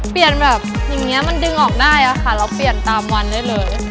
เปลี่ยนแบบอย่างนี้มันดึงออกได้ค่ะแล้วเปลี่ยนตามวันได้เลย